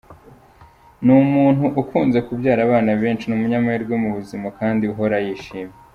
Ni umukuntu ukunze kubyara abana benshi, ni umunyamahirwe mu buzima kandi uhora yishimye.